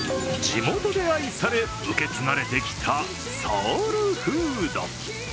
地元で愛され受け継がれてきたソウルフード。